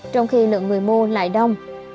vì lượng người mua lại đông